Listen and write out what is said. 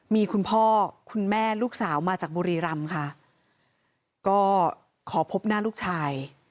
มีคุณพ่อคุณแม่ลูกสาวมาจากบุรีรำค่ะก็ขอพบหน้าลูกชาย